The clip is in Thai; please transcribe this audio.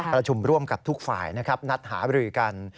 ประชุมร่วมกับทุกฝ่ายนะครับนัดหาบรือกัน